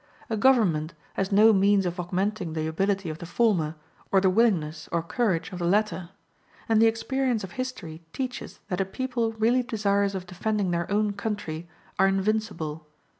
A government has no means of augmenting the ability of the former, or the willingness or courage of the latter. And the experience of history teaches that a people really desirous of defending their own country are invincible.